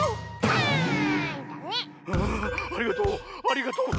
ああありがとう！